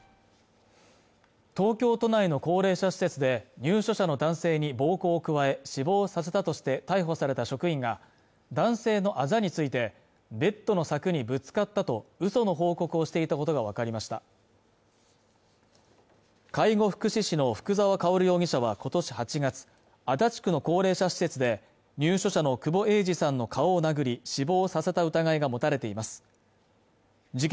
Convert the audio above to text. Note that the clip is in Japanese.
東京都内の高齢者施設で入所者の男性に暴行を加え死亡させたとして逮捕された職員が男性のあざについてベッドの柵にぶつかったと嘘の報告をしていたことが分かりました介護福祉士の福沢薫容疑者は今年８月足立区の高齢者施設で入所者の久保英治さんの顔を殴り死亡させた疑いが持たれています事件